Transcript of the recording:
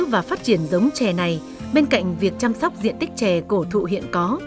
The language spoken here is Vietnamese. và phát triển giống chè này bên cạnh việc chăm sóc diện tích chè cổ thụ hiện có